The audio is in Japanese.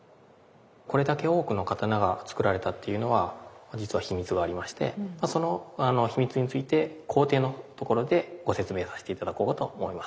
これだけ多くの刀が作られたっていうのは実は秘密がありましてその秘密について工程のところでご説明させて頂こうと思います。